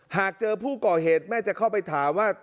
หากเจอผู้ก่อเหตุแม่จะเข้าไปถามว่า